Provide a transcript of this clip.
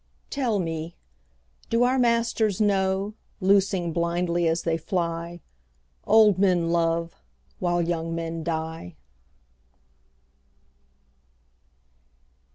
Tell me, do our masters know, Loosing blindly as they fly, Old men love while young men die?